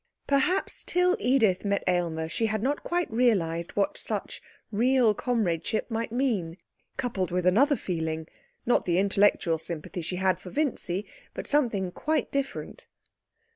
Perhaps till Edith met Aylmer she had not quite realised what such real comradeship might mean, coupled with another feeling not the intellectual sympathy she had for Vincy, but something quite different.